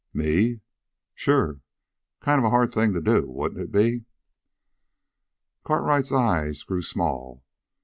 "Me?" "Sure! Kind of a hard thing to do, wouldn't it be?" Cartwright's eyes grew small.